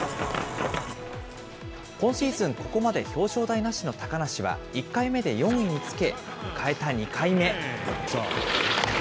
今シーズン、ここまで表彰台なしの高梨は、１回目で４位につけ、迎えた２回目。